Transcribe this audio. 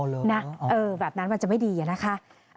อ๋อเลยเหรออ๋ออ๋อนะแบบนั้นมันจะไม่ดีนะคะ